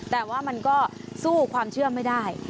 แต่ว่ามันก็สู้ความเชื่อไม่ได้